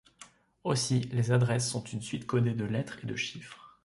Aussi, les adresses sont une suite codée de lettres et de chiffres.